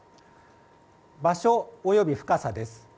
場所、および深さです。